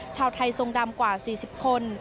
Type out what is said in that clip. ชาวไทยทรงดำกว่า๔๐คน